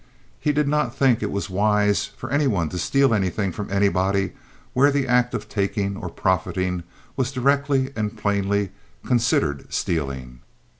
He did not think it was wise for any one to steal anything from anybody where the act of taking or profiting was directly and plainly considered stealing.